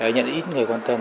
nhận được ít người quan tâm